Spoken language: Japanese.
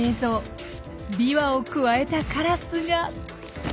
ビワをくわえたカラスが飛び去る！